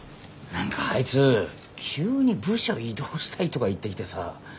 何かあいつ急に部署異動したいとか言ってきてさ。